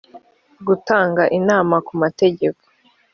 gutanga inama ku mategeko